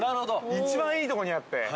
◆一番いいとこにあって。